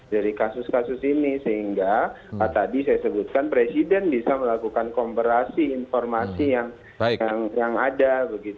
dari kasus kasus ini sehingga tadi saya sebutkan presiden bisa melakukan komparasi informasi yang ada